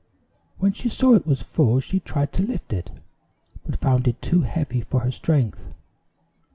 When she saw it was full she tried to lift it, but found it too heavy for her strength.